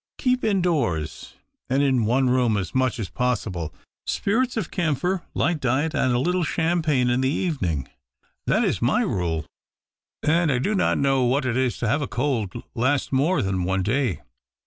Keep indoors and in one room as much as possible. Spirits of camphor, light diet, and a little chamjDagne in the evening — that is my rule, and I do not know what it is to have a cold last more than one day.